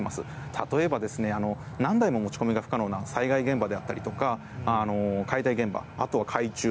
例えば何台も持ち込みが不可能な作業現場や解体現場、あとは海中。